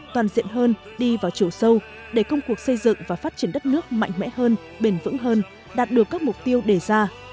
toàn diện hơn đi vào chiều sâu để công cuộc xây dựng và phát triển đất nước mạnh mẽ hơn bền vững hơn đạt được các mục tiêu đề ra